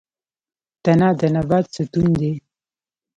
تنه د نبات ستون دی